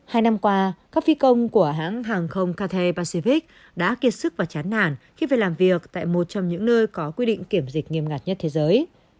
hai năm qua các phi công của hãng hàng không cathe pacivic đã kiệt sức và chán nản khi về làm việc tại một trong những nơi có quy định kiểm dịch nghiêm ngặt nhất thế giới